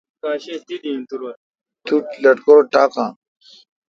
تو ٹھ لٹکور ٹاکان۔